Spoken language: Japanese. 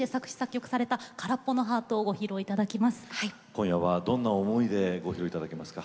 今夜はどんな思いでご披露いただけますか？